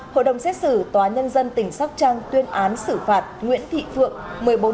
hội đồng xét xử tòa nhân dân tỉnh sóc trăng tuyên án xử phạt nguyễn thị phượng